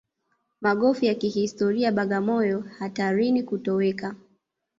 Magofu ya kihistoria Bagamoyo hatarini kutoweka